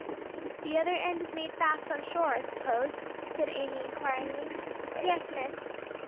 "The other end is made fast on shore, I suppose?" said Amy inquiringly. "Yes, Miss."